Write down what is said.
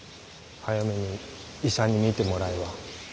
早めに医者に診てもらえば？